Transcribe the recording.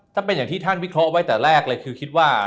ถ้าเป็นอย่างที่ท่านวิเคราะห์ไว้แต่แรกเลยคือคิดว่า